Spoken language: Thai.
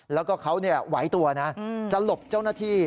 แล้วก็เขาไหวตัวนะจะหลบเจ้าหน้าที่